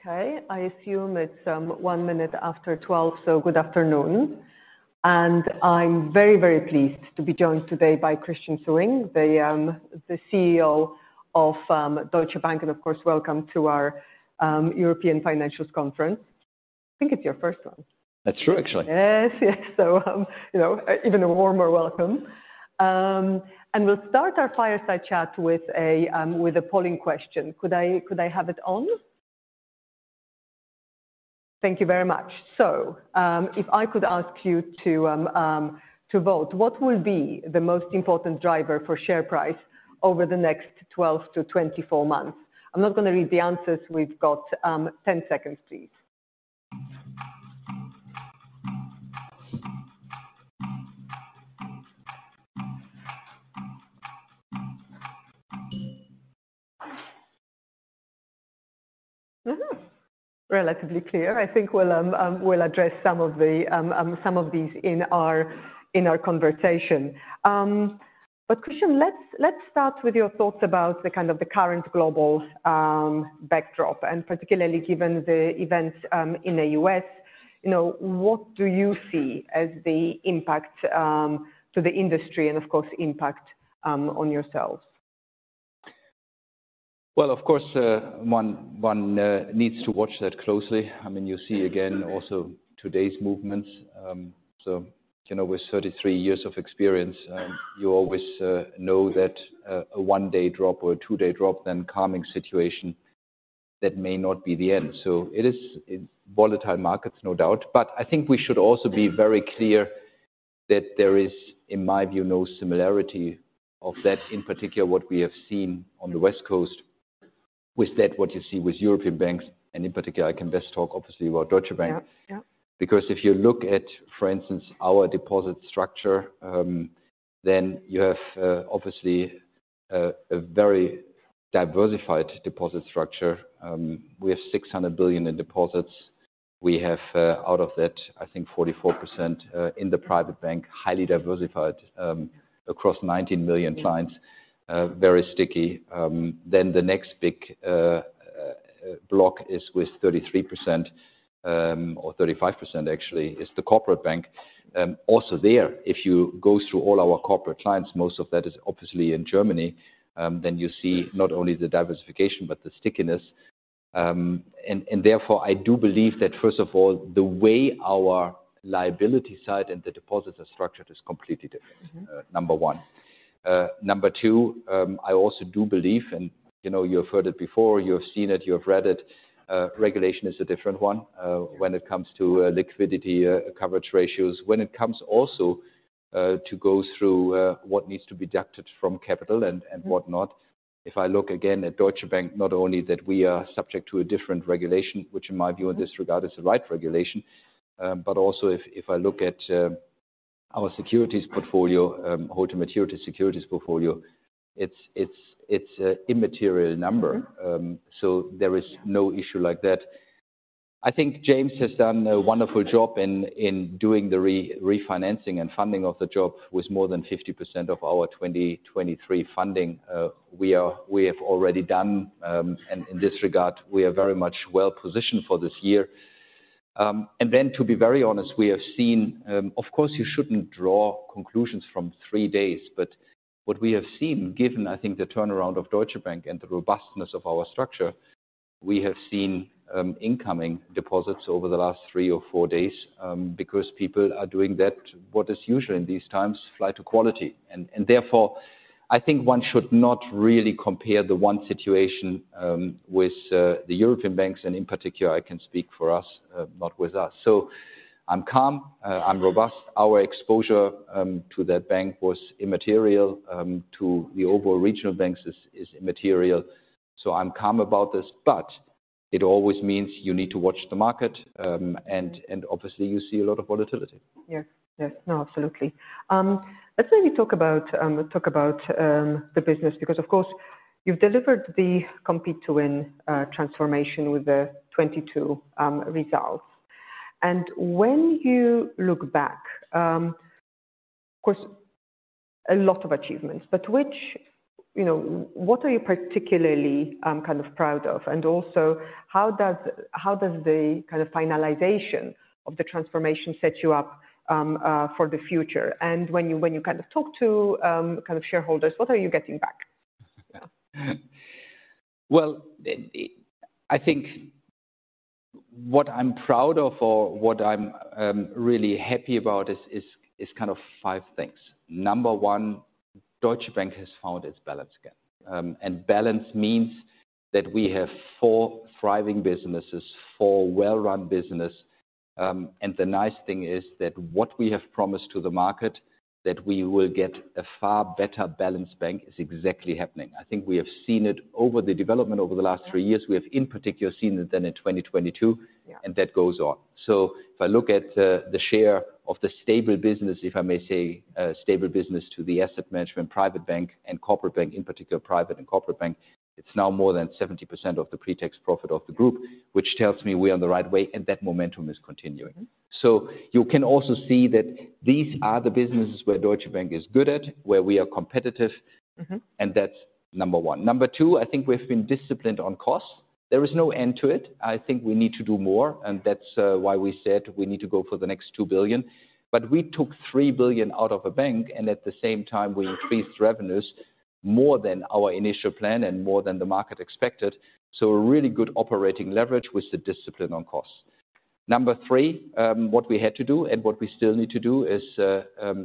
Okay. I assume it's one minute after 12, Good Afternoon. I'm very, very pleased to be joined today by Christian Sewing, the CEO of Deutsche Bank. Of course, welcome to our European Financials Conference. I think it's your first one. That's true, actually. Yes. Yes. you know, even a warmer welcome. We'll start our fireside chat with a polling question. Could I have it on? Thank you very much. If I could ask you to vote. What will be the most important driver for share price over the next 12 to 24 months? I'm not gonna read the answers. We've got 10 seconds, please. Relatively clear. I think we'll address some of these in our conversation. Christian, let's start with your thoughts about the kind of the current global backdrop, and particularly given the events in the U.S. You know, what do you see as the impact to the industry and of course, impact on yourselves? Well, of course, one needs to watch that closely. I mean, you see again also today's movements. You know, with 33 years of experience, you always know that a one-day drop or a two-day drop, then calming situation, that may not be the end. It is volatile markets, no doubt. I think we should also be very clear that there is, in my view, no similarity of that, in particular, what we have seen on the West Coast with that what you see with European banks, and in particular, I can best talk obviously about Deutsche Bank. Yeah. Yeah. If you look at, for instance, our deposit structure, you have obviously a very diversified deposit structure. We have 600 billion in deposits. We have out of that, I think 44% in the private bank, highly diversified, across 19 million clients, very sticky. The next big block is with 33%, or 35% actually, is the corporate bank. Also there, if you go through all our corporate clients, most of that is obviously in Germany. You see not only the diversification but the stickiness. Therefore, I do believe that first of all, the way our liability side and the deposits are structured is completely different, number one. Number two, I also do believe, you know, you've heard it before, you've seen it, you have read it, regulation is a different one, when it comes to liquidity coverage ratios. When it comes also to go through what needs to be deducted from capital and whatnot. If I look again at Deutsche Bank, not only that we are subject to a different regulation, which in my view in this regard is the right regulation, also if I look at our securities portfolio, hold-to-maturity securities portfolio, it's a immaterial number. There is no issue like that. I think James has done a wonderful job in doing the refinancing and funding of the job with more than 50% of our 2023 funding. We have already done, and in this regard, we are very much well-positioned for this year. To be very honest, we have seen, of course, you shouldn't draw conclusions from three days. What we have seen, given, I think, the turnaround of Deutsche Bank and the robustness of our structure, we have seen incoming deposits over the last three or four days, because people are doing that, what is usual in these times, flight to quality. Therefore, I think one should not really compare the one situation with the European banks, and in particular, I can speak for us, not with us. I'm calm, I'm robust. Our exposure to that bank was immaterial to the overall regional banks is immaterial. I'm calm about this, but it always means you need to watch the market, and obviously you see a lot of volatility. Yes. Yes. No, absolutely. Let me talk about the business, because of course, you've delivered the Compete to Win transformation with the 2022 results. When you look back, of course, a lot of achievements, but which, you know, what are you particularly kind of proud of? Also, how does the kind of finalization of the transformation set you up for the future? When you kind of talk to, kind of shareholders, what are you getting back? I think what I'm proud of or what I'm really happy about is kind of five things. Number one, Deutsche Bank has found its balance again. Balance means that we have four thriving businesses, four well-run business. The nice thing is that what we have promised to the market that we will get a far better balanced bank is exactly happening. I think we have seen it over the development over the last three years. We have, in particular, seen it then in 2022. Yeah ...and that goes on. If I look at the share of the stable business, if I may say, a stable business to the asset management, private bank and corporate bank, in particular, private and corporate bank, it's now more than 70% of the pre-tax profit of the group, which tells me we are on the right way and that momentum is continuing. So you can also see that these are the businesses where Deutsche Bank is good at, where we are competitive and that's number one. Number two, I think we've been disciplined on costs. There is no end to it. I think we need to do more, and that's why we said we need to go for the next 2 billion. We took 3 billion out of a bank, and at the same time, we increased revenues more than our initial plan and more than the market expected. A really good operating leverage with the discipline on costs. Number three, what we had to do and what we still need to do is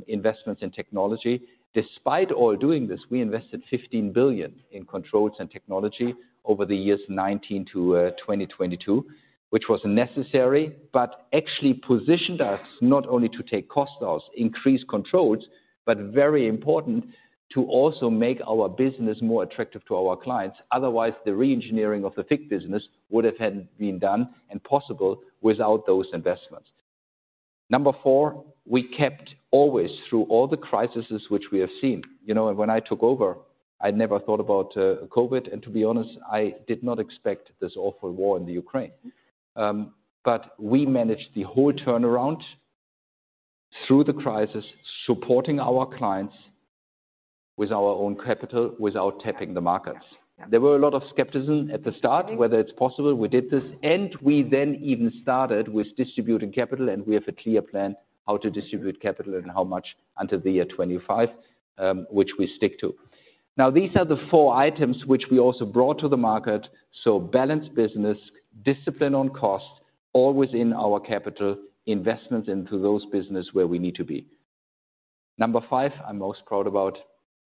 investments in technology. Despite all doing this, we invested 15 billion in controls and technology over the years 2019 to 2022, which was necessary, but actually positioned us not only to take costs out, increase controls, but very important to also make our business more attractive to our clients. Otherwise, the re-engineering of the FICC business would have hadn't been done and possible without those investments. Number four, we kept always through all the crises which we have seen. You know, when I took over, I never thought about COVID, and to be honest, I did not expect this awful war in the Ukraine. We managed the whole turnaround through the crisis, supporting our clients with our own capital without tapping the markets. There were a lot of skepticism at the start, whether it's possible we did this. We then even started with distributing capital, and we have a clear plan how to distribute capital and how much until the year 2025, which we stick to. Now, these are the four items which we also brought to the market. Balanced business, discipline on cost, always in our capital, investments into those business where we need to be. Number five, I'm most proud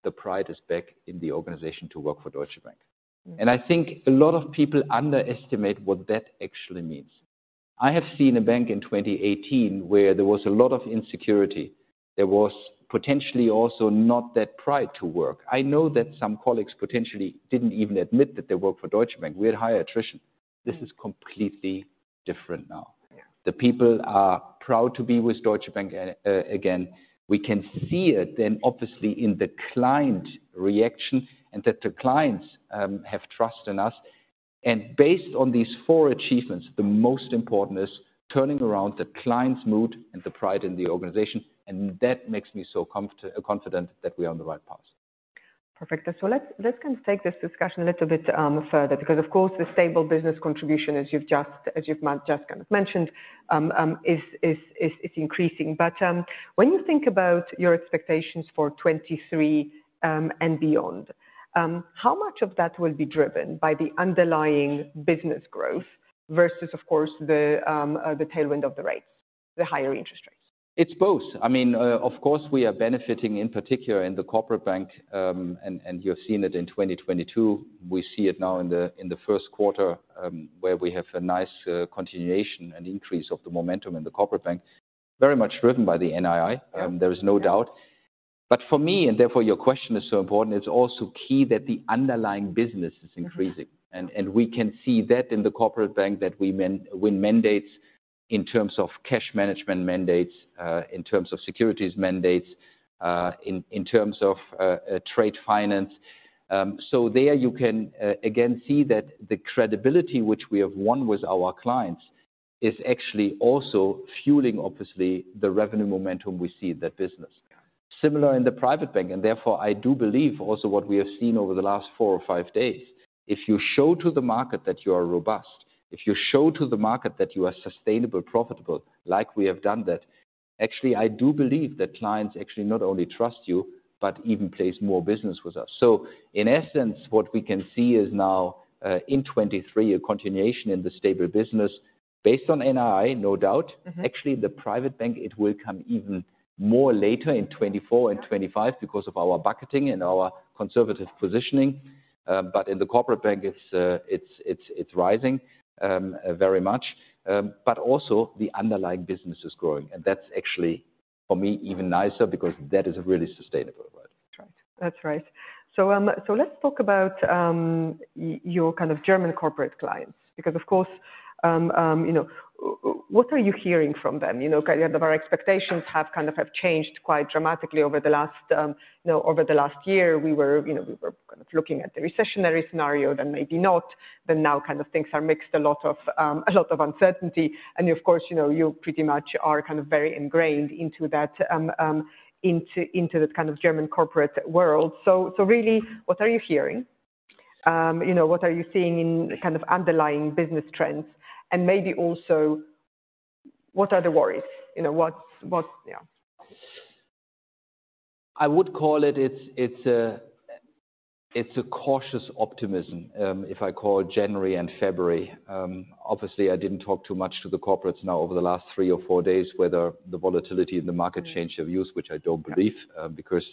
about the pride is back in the organization to work for Deutsche Bank. I think a lot of people underestimate what that actually means. I have seen a bank in 2018 where there was a lot of insecurity. There was potentially also not that pride to work. I know that some colleagues potentially didn't even admit that they work for Deutsche Bank. We had high attrition. This is completely different now. Yeah. The people are proud to be with Deutsche Bank again. We can see it then obviously in the client reaction and that the clients have trust in us. Based on these four achievements, the most important is turning around the client's mood and the pride in the organization, and that makes me so confident that we are on the right path. Perfect. Let's take this discussion a little bit further because of course, the stable business contribution, as you've just mentioned, is increasing. When you think about your expectations for 23 and beyond, how much of that will be driven by the underlying business growth versus, of course, the tailwind of the rates, the higher interest rates? It's both. I mean, of course, we are benefiting, in particular in the corporate bank, and you've seen it in 2022. We see it now in the first quarter, where we have a nice continuation and increase of the momentum in the corporate bank, very much driven by the NII. There is no doubt. For me, and therefore your question is so important, it's also key that the underlying business is increasing. We can see that in the corporate bank that we win mandates in terms of cash management mandates, in terms of securities mandates, in terms of trade finance. There you can again see that the credibility which we have won with our clients is actually also fueling, obviously, the revenue momentum we see in that business. Similar in the private bank. Therefore, I do believe also what we have seen over the last four or five days. If you show to the market that you are robust, if you show to the market that you are sustainable, profitable, like we have done that, actually, I do believe that clients actually not only trust you, but even place more business with us. In essence, what we can see is now, in 23, a continuation in the stable business based on NII, no doubt. Actually, the private bank, it will come even more later in 24 and 25 because of our bucketing and our conservative positioning. In the corporate bank, it's rising very much. Also the underlying business is growing. That's actually, for me, even nicer because that is really sustainable. That's right. That's right. Let's talk about your kind of German corporate clients, because of course, you know, what are you hearing from them? You know, our expectations have kind of have changed quite dramatically over the last, you know, over the last year. We were, you know, we were kind of looking at the recessionary scenario, then maybe not, then now kind of things are mixed, a lot of, a lot of uncertainty. Of course, you know, you pretty much are kind of very ingrained into that, into this kind of German corporate world. Really, what are you hearing? You know, what are you seeing in kind of underlying business trends? Maybe also, what are the worries? You know, what. Yeah. I would call it's a, it's a cautious optimism, if I call January and February. Obviously, I didn't talk too much to the corporates now over the last three or four days, whether the volatility in the market changed their views, which I don't believe, because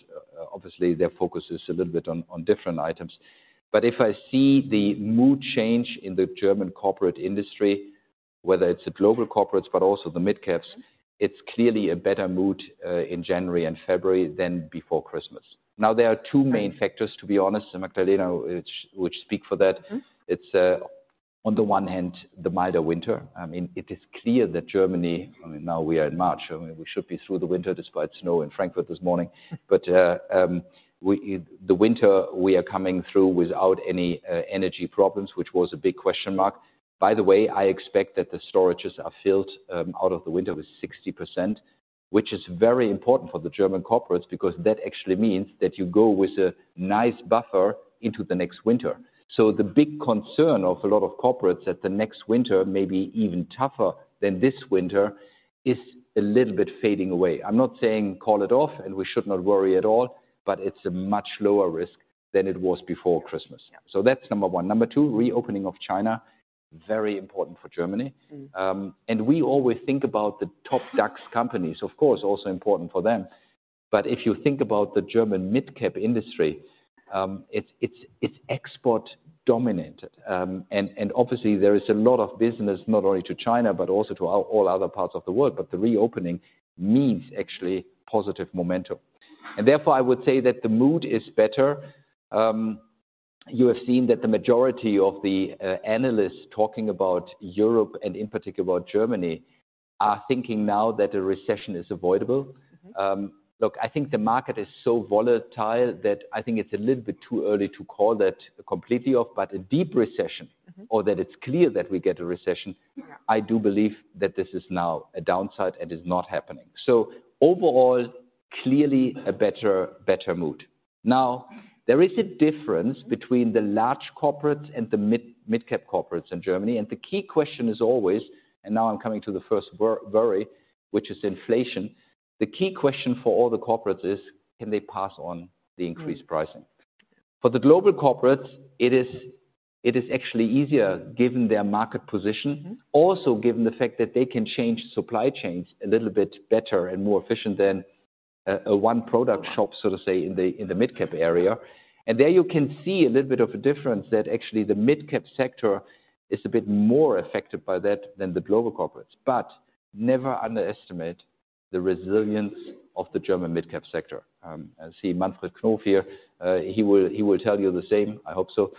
obviously, their focus is a little bit on different items. If I see the mood change in the German corporate industry, whether it's the global corporates but also the midcaps, it's clearly a better mood in January and February than before Christmas. There are two main factors, to be honest, Magdalena, which speak for that. It's on the one hand, the milder winter. I mean, it is clear that Germany, I mean, now we are in March, we should be through the winter despite snow in Frankfurt this morning. The winter we are coming through without any energy problems, which was a big question mark. By the way, I expect that the storages are filled out of the winter with 60%, which is very important for the German corporates because that actually means that you go with a nice buffer into the next winter. The big concern of a lot of corporates that the next winter may be even tougher than this winter is a little bit fading away. I'm not saying call it off, and we should not worry at all, but it's a much lower risk than it was before Christmas. Yeah. That's number one. Number two, reopening of China, very important for Germany. We always think about the top DAX companies. Of course, also important for them. If you think about the German midcap industry, it's export-dominant. And obviously there is a lot of business not only to China, but also to all other parts of the world. The reopening means actually positive momentum. Therefore, I would say that the mood is better. You have seen that the majority of the analysts talking about Europe and in particular about Germany are thinking now that a recession is avoidable. Look, I think the market is so volatile that I think it's a little bit too early to call that completely off. A deep recession or that it's clear that we get a recession, I do believe that this is now a downside and is not happening. Overall, clearly a better mood. There is a difference between the large corporates and the midcap corporates in Germany. The key question is always, now I'm coming to the first worry, which is inflation. The key question for all the corporates is, can they pass on the increased pricing? For the global corporates, it is actually easier given their market position. Given the fact that they can change supply chains a little bit better and more efficient than a one-product shop, so to say, in the midcap area. There you can see a little bit of a difference that actually the midcap sector is a bit more affected by that than the global corporates. Never underestimate the resilience of the German midcap sector. I see Manfred Knof here. He will tell you the same. I hope so.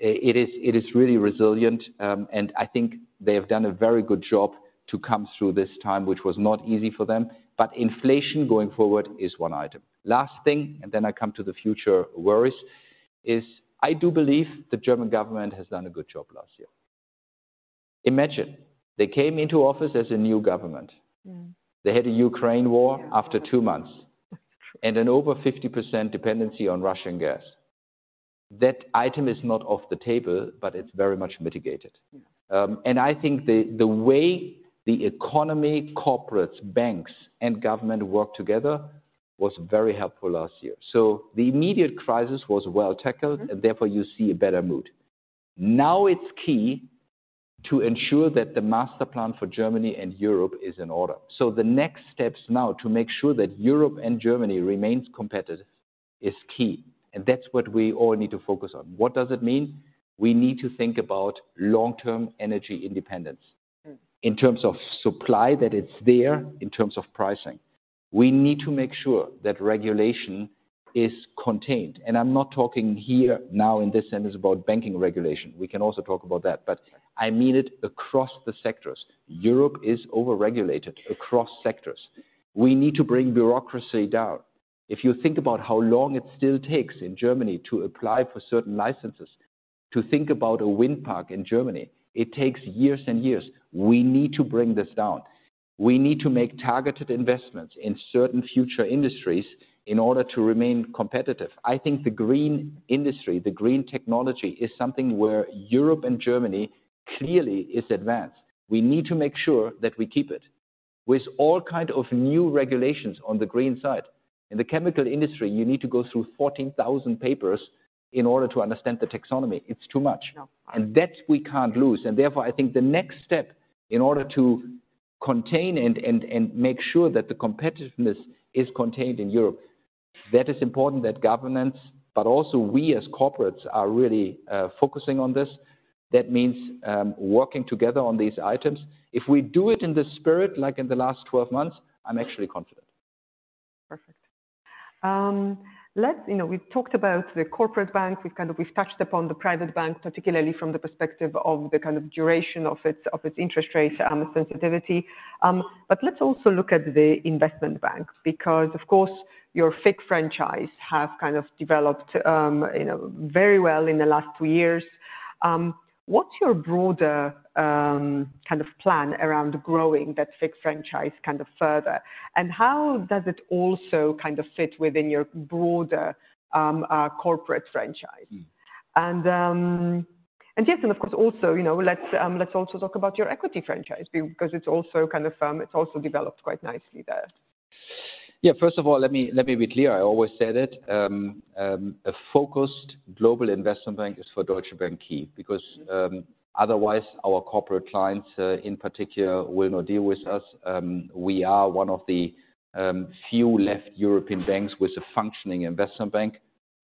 It is really resilient. And I think they have done a very good job to come through this time, which was not easy for them. Inflation going forward is one item. Last thing, and then I come to the future worries, is I do believe the German government has done a good job last year. Imagine, they came into office as a new government. They had a Ukraine war after two months, and an over 50% dependency on Russian gas. That item is not off the table, but it's very much mitigated. Yeah. I think the way the economy, corporates, banks, and government worked together was very helpful last year. The immediate crisis was well tackled. Therefore you see a better mood. Now it's key to ensure that the master plan for Germany and Europe is in order. The next steps now to make sure that Europe and Germany remains competitive is key, and that's what we all need to focus on. What does it mean? We need to think about long-term energy independence. In terms of supply, that it's there. In terms of pricing. We need to make sure that regulation is contained, and I'm not talking here now in this sense about banking regulation. We can also talk about that. I mean it across the sectors. Europe is over-regulated across sectors. We need to bring bureaucracy down. If you think about how long it still takes in Germany to apply for certain licenses, to think about a wind park in Germany, it takes years and years. We need to bring this down. We need to make targeted investments in certain future industries in order to remain competitive. I think the green industry, the green technology, is something where Europe and Germany clearly is advanced. We need to make sure that we keep it. With all kind of new regulations on the green side, in the chemical industry, you need to go through 14,000 papers in order to understand the taxonomy. It's too much. No. That we can't lose. Therefore, I think the next step in order to contain and, and make sure that the competitiveness is contained in Europe, that is important that governments, but also we as corporates are really focusing on this. That means, working together on these items. If we do it in the spirit like in the last 12 months, I'm actually confident. Perfect. let's, you know, we've talked about the corporate bank. We've kind of, we've touched upon the private bank, particularly from the perspective of the kind of duration of its, of its interest rate, sensitivity. But let's also look at the investment banks, because of course your FIC franchise have kind of developed, you know, very well in the last two years. What's your broader, kind of plan around growing that FIC franchise kind of further? How does it also kind of fit within your broader, corporate franchise? And yes, and of course also, you know, let's also talk about your equity franchise because it's also kind of, it's also developed quite nicely there. First of all, let me be clear. I always said it. A focused global investment bank is for Deutsche Bank key. Because otherwise our corporate clients, in particular will not deal with us. We are one of the few left European banks with a functioning investment bank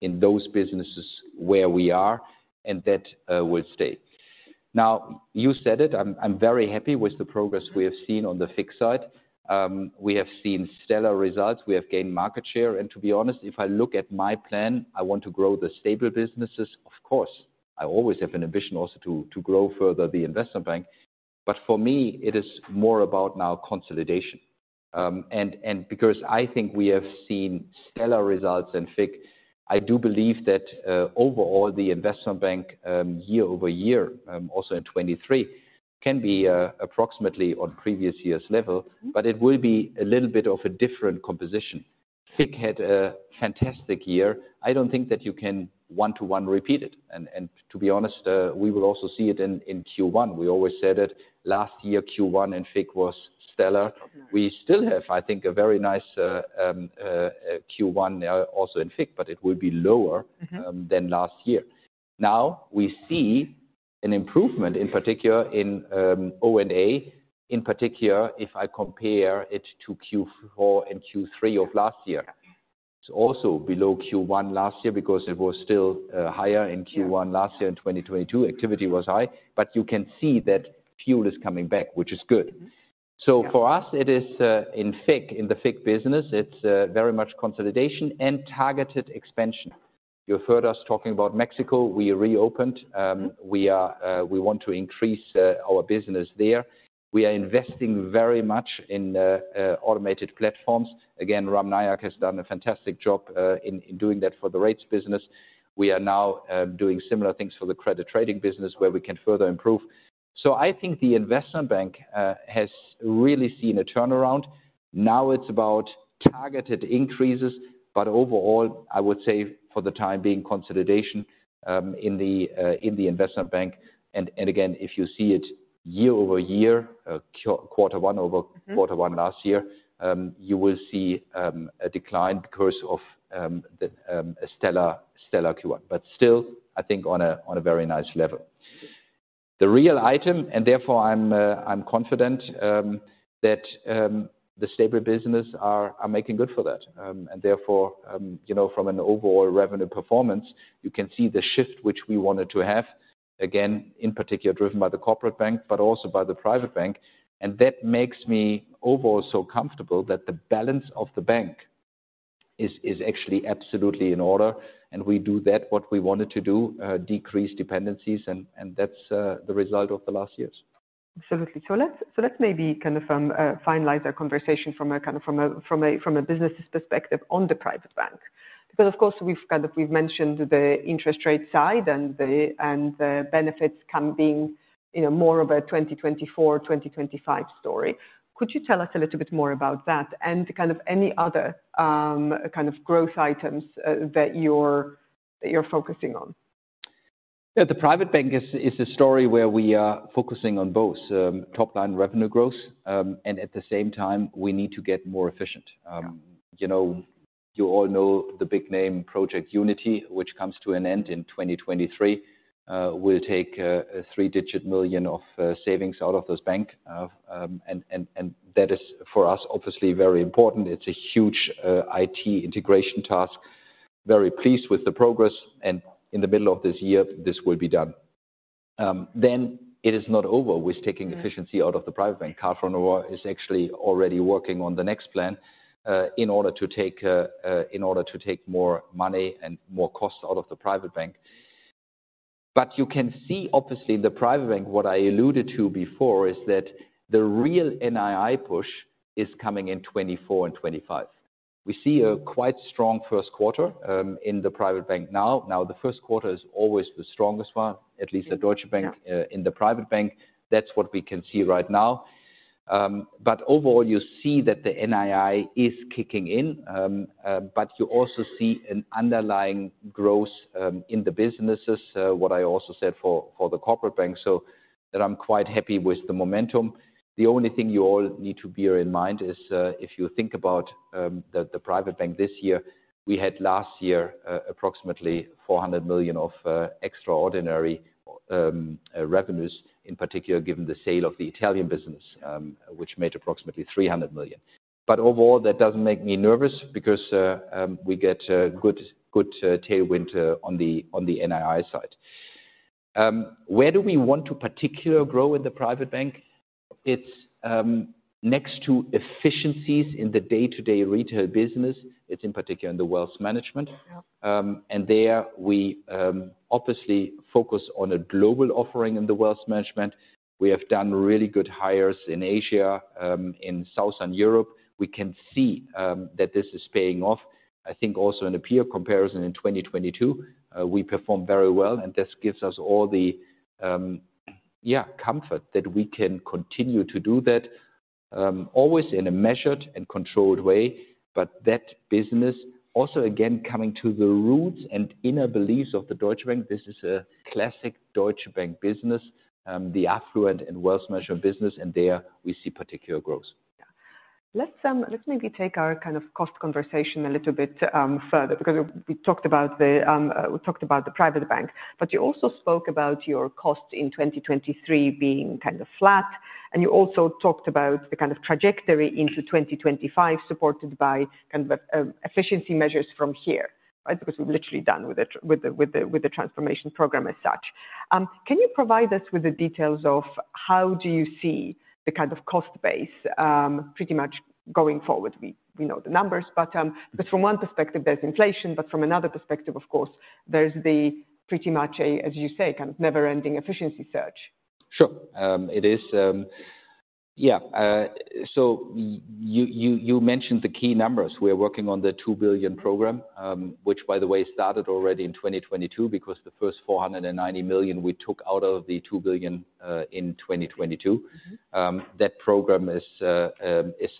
in those businesses where we are, and that will stay. Now, you said it, I'm very happy with the progress we have seen on the FIC side. We have seen stellar results. We have gained market share. To be honest, if I look at my plan, I want to grow the stable businesses. Of course, I always have an ambition also to grow further the investment bank. For me, it is more about now consolidation. Because I think we have seen stellar results in FICC, I do believe that overall the investment bank year over year also in 2023 can be approximately on previous year's level. But it will be a little bit of a different composition. FICC had a fantastic year. I don't think that you can one-to-one repeat it. To be honest, we will also see it in Q1. We always said it last year, Q1 in FICC was stellar. We still have, I think, a very nice Q1 now also in FICC, but it will be lower than last year. We see an improvement, in particular in O&A, in particular if I compare it to Q4 and Q3 of last year. It's also below Q1 last year because it was still higher in Q1. Last year in 2022. Activity was high. You can see that fuel is coming back, which is good. For us it is in FICC, in the FICC business, it's very much consolidation and targeted expansion. You heard us talking about Mexico, we reopened. We want to increase our business there. We are investing very much in automated platforms. Again, Ram Nayak has done a fantastic job in doing that for the rates business. We are now doing similar things for the credit trading business where we can further improve. I think the investment bank has really seen a turnaround. Now it's about targeted increases. Overall, I would say for the time being, consolidation in the investment bank. Again, if you see it year-over-year, quarter one over quarter one last year. You will see a decline because of the a stellar Q1. But still, I think on a very nice level. The real item, therefore I'm confident that the stable business are making good for that. Therefore, you know, from an overall revenue performance, you can see the shift which we wanted to have, again, in particular driven by the corporate bank, but also by the private bank. That makes me overall so comfortable that the balance of the bank is actually absolutely in order. We do that what we wanted to do, decrease dependencies and that's the result of the last years. Absolutely. Let's maybe kind of finalize our conversation from a kind of business perspective on the private bank. Of course we've kind of mentioned the interest rate side and the benefits come being, you know, more of a 2024/2025 story. Could you tell us a little bit more about that and kind of any other kind of growth items that you're focusing on? Yeah. The private bank is a story where we are focusing on both, top line revenue growth, and at the same time we need to get more efficient. You know, you all know the big name Project Unity, which comes to an end in 2023, will take a EUR a three-digit million of savings out of this bank. That is for us obviously very important. It's a huge IT integration task. Very pleased with the progress and in the middle of this year this will be done. It is not over with taking efficiency out of the private bank. Karl von Rohr is actually already working on the next plan, in order to take more money and more costs out of the private bank. You can see obviously in the private bank, what I alluded to before is that the real NII push is coming in 2024 and 2025. We see a quite strong first quarter, in the private bank now. The first quarter is always the strongest one, at least at Deutsche Bank in the Private Bank. That's what we can see right now. Overall, you see that the NII is kicking in. You also see an underlying growth in the businesses, what I also said for the Corporate Bank, so that I'm quite happy with the momentum. The only thing you all need to bear in mind is, if you think about the Private Bank this year, we had last year approximately 400 million of extraordinary revenues, in particular given the sale of the Italian business, which made approximately 300 million. Overall, that doesn't make me nervous because we get a good tailwind on the NII side. Where do we want to particularly grow in the Private Bank? It's, next to efficiencies in the day-to-day retail business. It's in particular in the wealth management. Yeah. There we, obviously focus on a global offering in the wealth management. We have done really good hires in Asia, in Southern Europe. We can see that this is paying off. I think also in a peer comparison in 2022, we performed very well and this gives us all the, yeah, comfort that we can continue to do that, always in a measured and controlled way. That business also again coming to the roots and inner beliefs of the Deutsche Bank. This is a classic Deutsche Bank business, the affluent and wealth management business, and there we see particular growth. Yeah. Let's maybe take our kind of cost conversation a little bit further because we talked about the private bank, but you also spoke about your costs in 2023 being kind of flat, and you also talked about the kind of trajectory into 2025 supported by kind of efficiency measures from here. We're literally done with the transformation program as such. Can you provide us with the details of how do you see the kind of cost base pretty much going forward? We know the numbers, but from one perspective there's inflation, but from another perspective, of course, there's the pretty much a, as you say, kind of never-ending efficiency search. Sure. You mentioned the key numbers. We are working on the 2 billion program, which by the way started already in 2022 because the first 490 million we took out of the 2 billion in 2022. That program is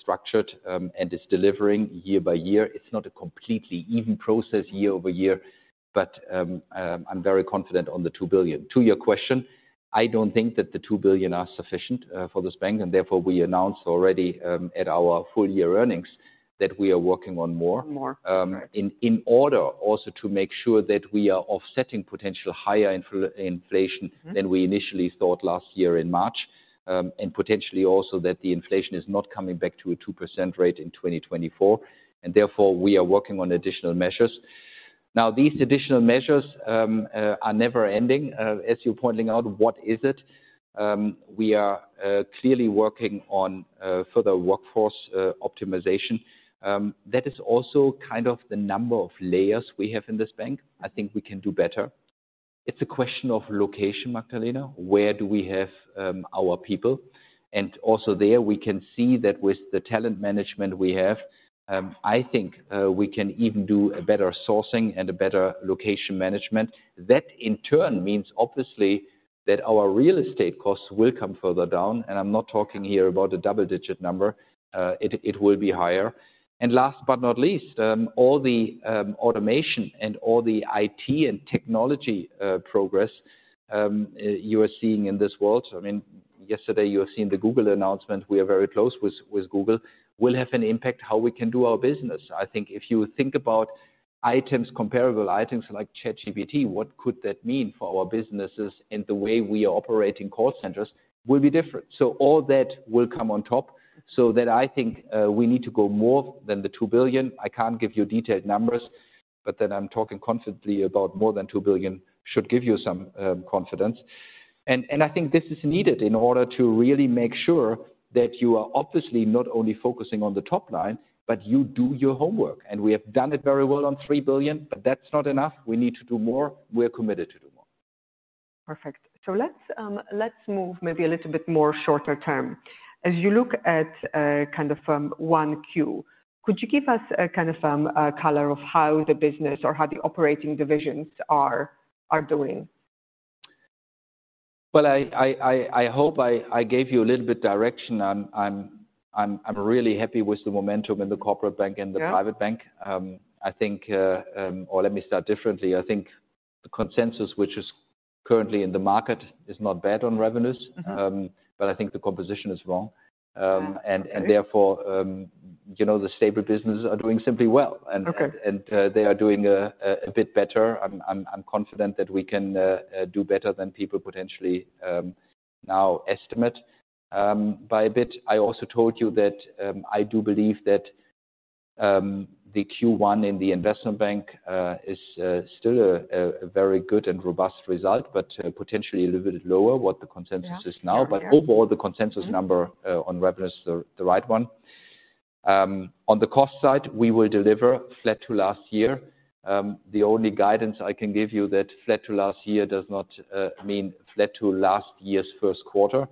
structured and is delivering year by year. It's not a completely even process year over year, but I'm very confident on the 2 billion. To your question, I don't think that the 2 billion are sufficient for this bank. Therefore we announced already at our full year earnings that we are working on more. More. Right. In order also to make sure that we are offsetting potential higher inflation than we initially thought last year in March. Potentially also that the inflation is not coming back to a 2% rate in 2024, and therefore we are working on additional measures. Now these additional measures are never ending. As you're pointing out, what is it? We are clearly working on further workforce optimization. That is also kind of the number of layers we have in this bank. I think we can do better. It's a question of location, Magdalena. Where do we have our people? Also there we can see that with the talent management we have, I think, we can even do a better sourcing and a better location management. That in turn means obviously that our real estate costs will come further down, and I'm not talking here about a double-digit number. It, it will be higher. Last but not least, all the automation and all the IT and technology progress you are seeing in this world. I mean, yesterday you have seen the Google announcement, we are very close with Google, will have an impact how we can do our business. I think if you think about items, comparable items like ChatGPT, what could that mean for our businesses and the way we are operating call centers will be different. All that will come on top so that I think, we need to go more than the 2 billion. I can't give you detailed numbers, but that I'm talking confidently about more than 2 billion should give you some confidence. I think this is needed in order to really make sure that you are obviously not only focusing on the top line, but you do your homework. We have done it very well on 3 billion, but that's not enough. We need to do more. We're committed to do more. Perfect. let's move maybe a little bit more shorter term. As you look at, kind of from 1Q, could you give us a kind of, color of how the business or how the operating divisions are doing? Well, I hope I gave you a little bit direction. I'm really happy with the momentum in the Corporate Bank. Yeah And Private Bank. I think. Let me start differently. I think the consensus, which is currently in the market, is not bad on revenues. But i think the composition is wrong and therefore, you know, the stable businesses are doing simply well. Okay They are doing a bit better. I'm confident that we can do better than people potentially now estimate by a bit. I also told you that I do believe that the Q1 in the Investment Bank is still a very good and robust result, but potentially a little bit lower what the consensus is now. Yeah. Fair. overall, the consensus number, on revenues are the right one. On the cost side, we will deliver flat to last year. The only guidance I can give you that flat to last year does not mean flat to last year's first quarter.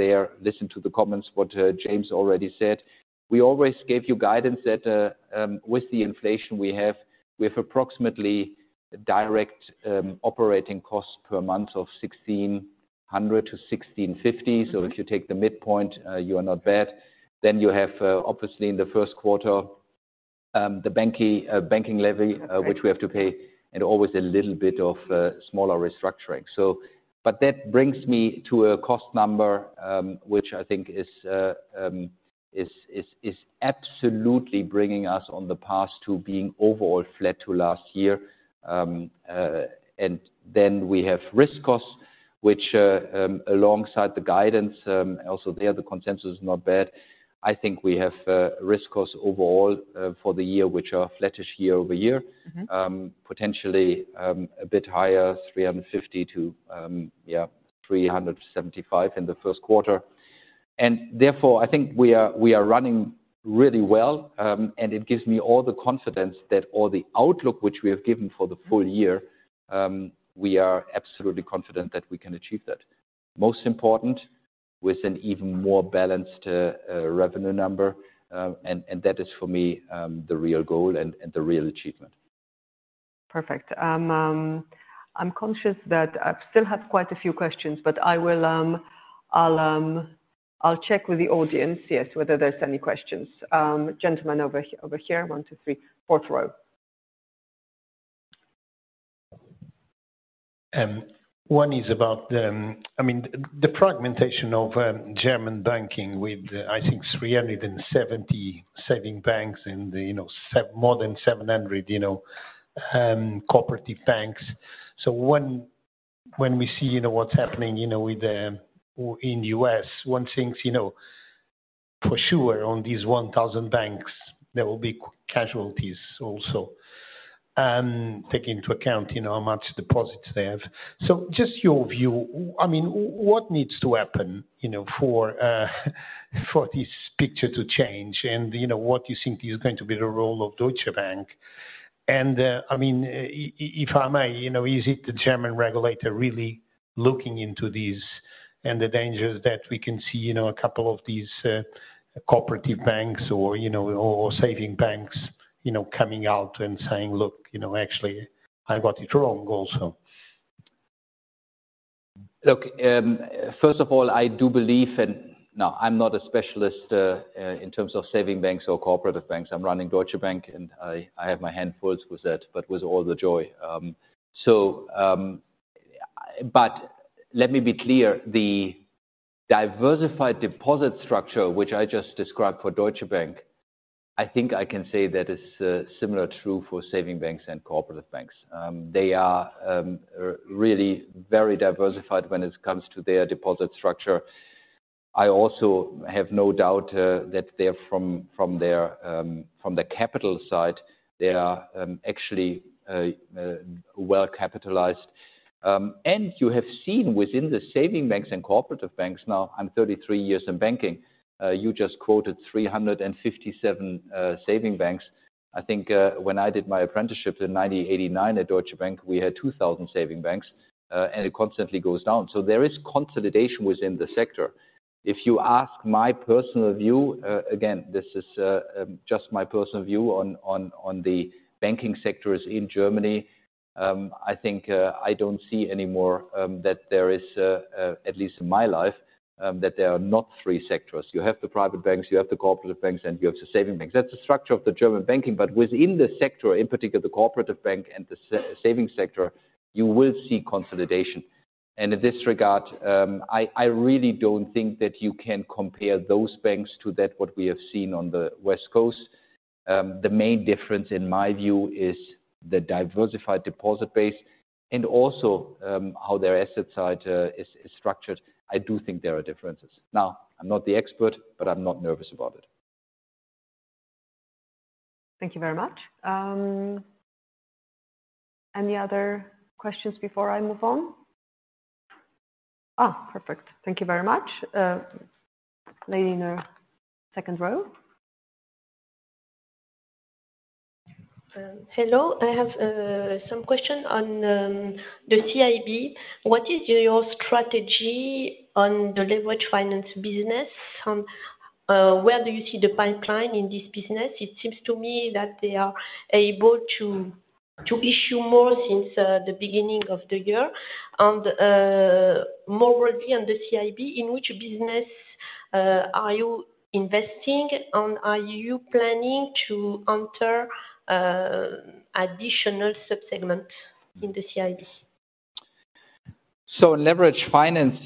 There listen to the comments what James already said. We always gave you guidance that with the inflation we have, we have approximately direct operating costs per month of 1,600-1,650. If you take the midpoint, you are not bad. You have obviously in the first quarter, the bank levy. Okay Which we have to pay and always a little bit of smaller restructuring. But that brings me to a cost number, which I think is absolutely bringing us on the path to being overall flat to last year. We have risk costs, which alongside the guidance, also there the consensus is not bad. I think we have risk costs overall for the year, which are flattish year-over-year. Potentially, a bit higher, 350-375 in the first quarter. Therefore, I think we are running really well. It gives me all the confidence that all the outlook which we have given for the full year, we are absolutely confident that we can achieve that. Most important, with an even more balanced, revenue number. That is for me, the real goal and the real achievement. Perfect. I'm conscious that I still have quite a few questions, I will, I'll check with the audience, yes, whether there's any questions. Gentleman over here, over here. one, two, three, fourth row. One is about, I mean the fragmentation of German banking with I think 370 saving banks and, you know, more than 700, you know, cooperative banks. When, when we see, you know, what's happening, you know, with the in the U.S., one thinks, you know, for sure on these 1,000 banks there will be casualties also. Take into account, you know, how much deposits they have. Just your view, I mean, what needs to happen, you know, for this picture to change and, you know, what you think is going to be the role of Deutsche Bank? I mean, if I may, you know, is it the German regulator really looking into this and the dangers that we can see, you know, a couple of these cooperative banks or, you know, or saving banks, you know, coming out and saying, "Look, you know, actually I got it wrong also"? Look, first of all, I do believe and... No, I'm not a specialist in terms of saving banks or cooperative banks. I'm running Deutsche Bank, and I have my hands full with that, but with all the joy. Let me be clear. The diversified deposit structure, which I just described for Deutsche Bank, I think I can say that is similar true for saving banks and cooperative banks. They are really very diversified when it comes to their deposit structure. I also have no doubt that they're from their, from the capital side, they are actually well capitalized. You have seen within the saving banks and cooperative banks now, I'm 33 years in banking, you just quoted 357 saving banks. I think, when I did my apprenticeship in 1989 at Deutsche Bank, we had 2,000 savings banks, and it constantly goes down. There is consolidation within the sector. If you ask my personal view, again, this is just my personal view on the banking sectors in Germany, I think I don't see any more that there is at least in my life that there are not three sectors. You have the private banks, you have the cooperative banks, and you have the savings banks. That's the structure of the German banking. Within the sector, in particular the cooperative bank and the savings sector, you will see consolidation. In this regard, I really don't think that you can compare those banks to that what we have seen on the West Coast. The main difference in my view is the diversified deposit base and also, how their asset side, is structured. I do think there are differences. Now, I'm not the expert, but I'm not nervous about it. Thank you very much. Any other questions before I move on? Perfect. Thank you very much. Lady in the second row. Hello. I have some question on the CIB. What is your strategy on the leveraged finance business? Where do you see the pipeline in this business? It seems to me that they are able to issue more since the beginning of the year. More broadly on the CIB, in which business are you investing? Are you planning to enter additional sub-segments in the CIB? Leveraged finance,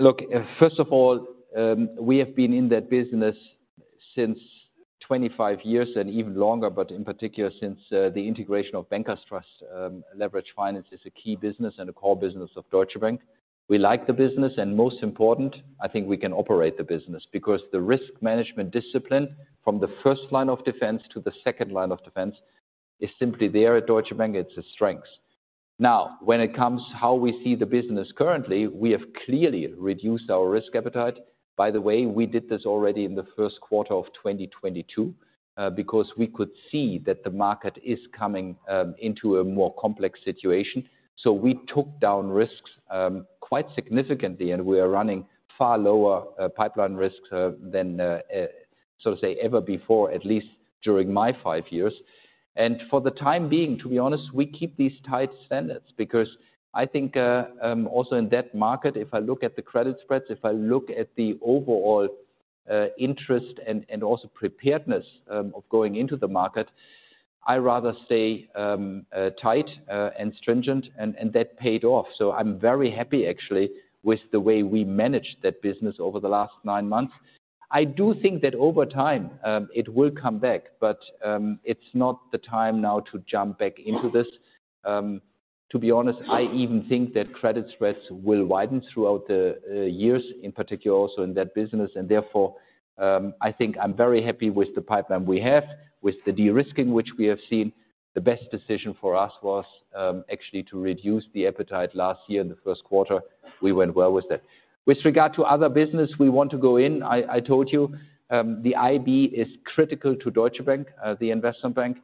look, first of all, we have been in that business since 25 years and even longer, but in particular since the integration of Bankers Trust. Leveraged finance is a key business and a core business of Deutsche Bank. We like the business, and most important, I think we can operate the business because the risk management discipline from the first line of defense to the second line of defense is simply there at Deutsche Bank. It's a strength. When it comes how we see the business currently, we have clearly reduced our risk appetite. By the way, we did this already in the first quarter of 2022, because we could see that the market is coming into a more complex situation. We took down risks, quite significantly, and we are running far lower pipeline risks than, so to say, ever before, at least during my five years. For the time being, to be honest, we keep these tight standards because I think, also in that market, if I look at the credit spreads, if I look at the overall interest and also preparedness of going into the market, I rather stay tight and stringent, and that paid off. I'm very happy actually with the way we managed that business over the last nine months. I do think that over time, it will come back, but it's not the time now to jump back into this. To be honest, I even think that credit spreads will widen throughout the years, in particular also in that business. Therefore, I think I'm very happy with the pipeline we have, with the de-risking which we have seen. The best decision for us was actually to reduce the appetite last year in the first quarter. We went well with that. With regard to other business we want to go in, I told you, the IB is critical to Deutsche Bank, the investment bank.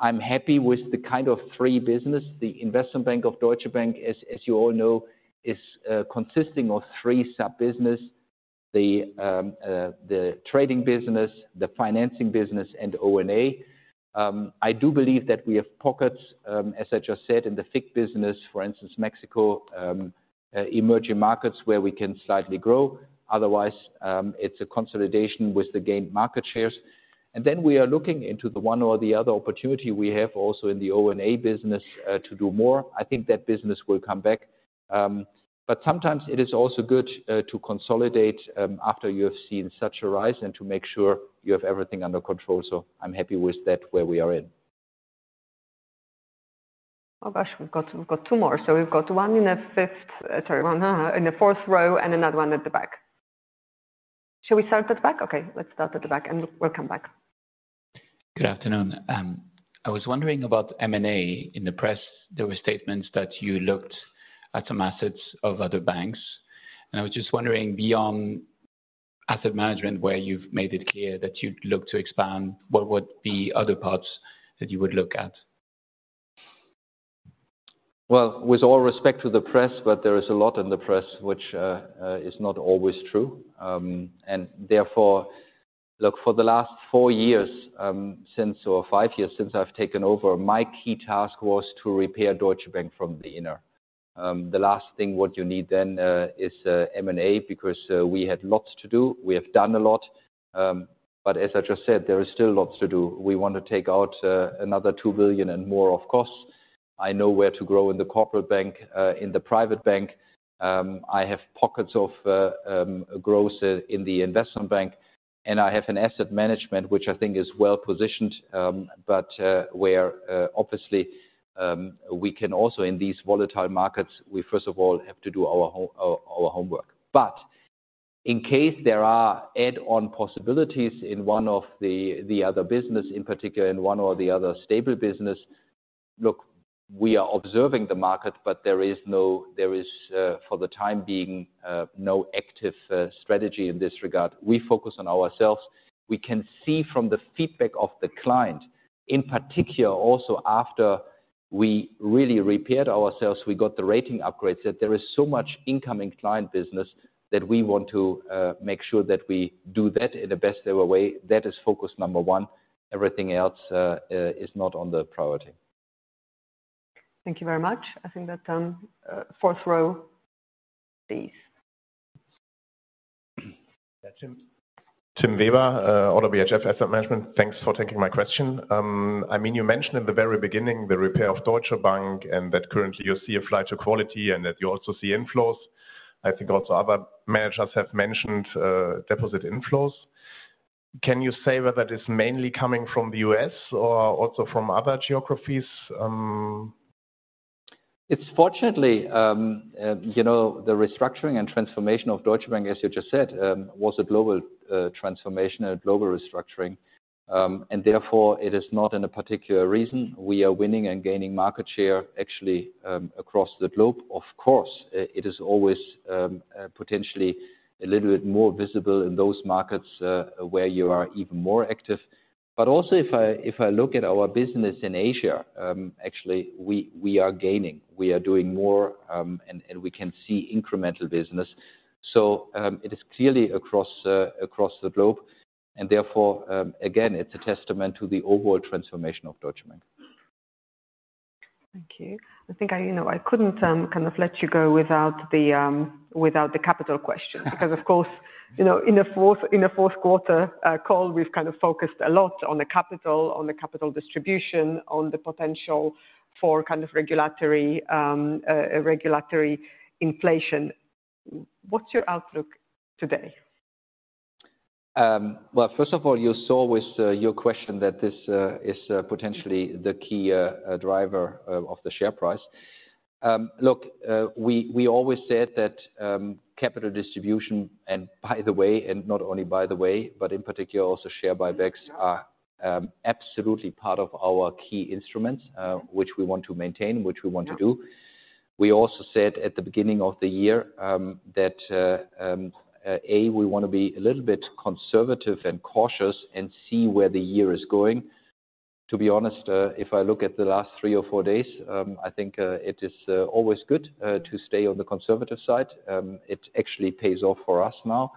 I'm happy with the kind of three business. The investment bank of Deutsche Bank, as you all know, is consisting of three sub-business, the trading business, the financing business, and O&A. I do believe that we have pockets, as I just said, in the FICC business, for instance, Mexico, emerging markets where we can slightly grow. Otherwise, it's a consolidation with the gained market shares. We are looking into the one or the other opportunity we have also in the O&A business, to do more. I think that business will come back. Sometimes it is also good, to consolidate, after you have seen such a rise and to make sure you have everything under control. I'm happy with that where we are in. Oh gosh, we've got two more. We've got one in the fourth row and another one at the back. Shall we start at the back? Okay, let's start at the back, and we'll come back. Good afternoon. I was wondering about M&A. In the press, there were statements that you looked at some assets of other banks. I was just wondering, beyond asset management, where you've made it clear that you'd look to expand, what would the other parts that you would look at? Well, with all respect to the press, but there is a lot in the press which is not always true. Therefore... Look, for the last four years, since or five years since I've taken over, my key task was to repair Deutsche Bank from the inner. The last thing what you need then is M&A because we had lots to do. We have done a lot. As I just said, there is still lots to do. We want to take out another 2 billion and more of costs. I know where to grow in the corporate bank, in the private bank. I have pockets of growth in the investment bank, and I have an asset management which I think is well-positioned, but where obviously, we can also in these volatile markets, we first of all have to do our homework. In case there are add-on possibilities in one of the other business, in particular in one or the other stable business, look, we are observing the market, there is for the time being no active strategy in this regard. We focus on ourselves. We can see from the feedback of the client, in particular also after we really repaired ourselves, we got the rating upgrades, that there is so much incoming client business that we want to make sure that we do that in the best way. That is focus number one. Everything else is not on the priority. Thank you very much. I think that, fourth row, please. Yeah. Tim. Tim Weber, ODDO BHF Asset Management. Thanks for taking my question. I mean, you mentioned in the very beginning the repair of Deutsche Bank and that currently you see a flight to quality and that you also see inflows. I think also other managers have mentioned deposit inflows. Can you say whether that is mainly coming from the U.S. or also from other geographies? It's fortunately, you know, the restructuring and transformation of Deutsche Bank, as you just said, was a global transformation, a global restructuring. Therefore, it is not in a particular reason. We are winning and gaining market share actually across the globe. Of course, it is always potentially a little bit more visible in those markets where you are even more active. Also if I look at our business in Asia, actually we are gaining. We are doing more, and we can see incremental business. It is clearly across the globe, and therefore, again, it's a testament to the overall transformation of Deutsche Bank. Thank you. I think I, you know, I couldn't kind of let you go without the capital question. Of course, you know, in a fourth quarter call, we've kind of focused a lot on the capital, on the capital distribution, on the potential for kind of regulatory inflation. What's your outlook today? Well, first of all, you saw with your question that this is potentially the key driver of the share price. Look, we always said that capital distribution and by the way, and not only by the way, but in particular also share buybacks are absolutely part of our key instruments, which we want to maintain, which we want to do. We also said at the beginning of the year that we wanna be a little bit conservative and cautious and see where the year is going. To be honest, if I look at the last three or four days, I think it is always good to stay on the conservative side. It actually pays off for us now.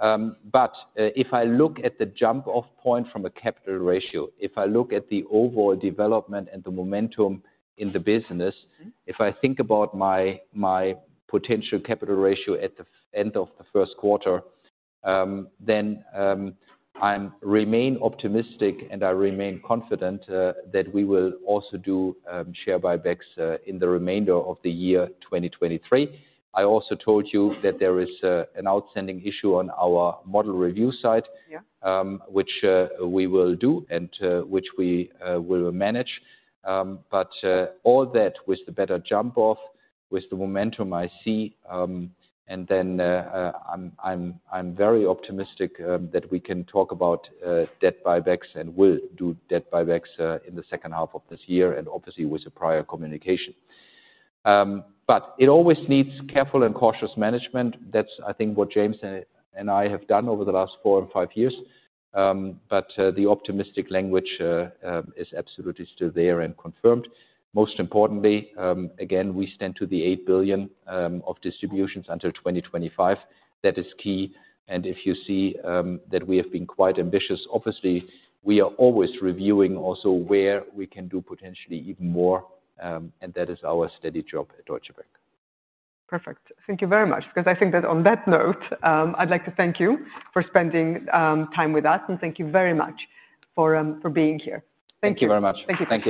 If I look at the jump off point from a capital ratio, if I look at the overall development and the momentum in the business. If I think about my potential capital ratio at the end of the first quarter, then I remain optimistic and I remain confident that we will also do share buybacks in the remainder of the year 2023. I also told you that there is an outstanding issue on our model review side, which we will do and which we will manage. All that with the better jump off, with the momentum I see, and then I'm very optimistic that we can talk about debt buybacks and will do debt buybacks in the second half of this year and obviously with a prior communication. It always needs careful and cautious management. That's, I think, what James and I have done over the last four and five years. The optimistic language is absolutely still there and confirmed. Most importantly, again, we stand to the 8 billion of distributions until 2025. That is key. If you see, that we have been quite ambitious, obviously we are always reviewing also where we can do potentially even more, and that is our steady job at Deutsche Bank. Perfect. Thank you very much. 'Cause I think that on that note, I'd like to thank you for spending, time with us, and thank you very much for being here. Thank you very much. Thank you. Thank you.